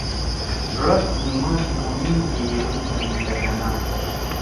ڙاد سی نماز مومیِن گے ییدُو زنکدنا